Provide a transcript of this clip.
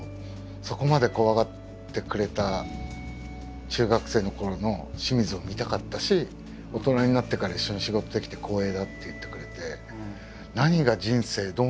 「そこまで怖がってくれた中学生のころの清水を見たかったし大人になってから一緒に仕事できて光栄だ」って言ってくれて。